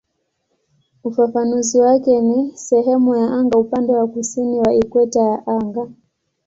Ufafanuzi wake ni "sehemu ya anga upande wa kusini wa ikweta ya anga".